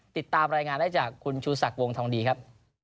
ติดตามรายงานได้จากคุณชูศักดิ์วงทองดีครับ